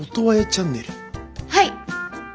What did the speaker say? はい！